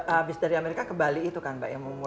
abis dari amerika ke bali itu kan mbak ya mau mulai